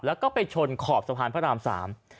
แล้วก็ไปชนขอบสะพานพระรามสาม